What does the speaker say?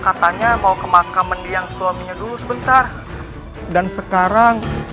ibu minta turun pak katanya mau ke makam mendiang suaminya dulu sebentar dan sekarang